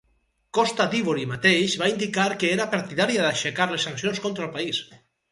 Costa d'Ivori mateix va indicar que era partidària d'aixecar les sancions contra el país.